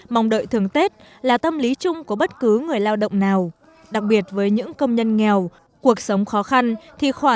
mong đợi thưởng tết là tâm lý chung của bất cứ người lao động nào